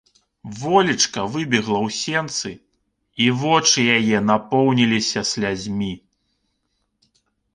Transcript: Волечка выбегла ў сенцы, і вочы яе напоўніліся слязьмі.